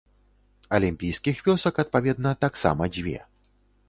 Алімпійскіх вёсак, адпаведна, таксама дзве.